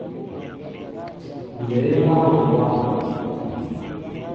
Nzѐe eba wɛ bwȃm.